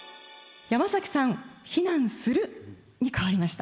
山さん「避難する」に変わりました。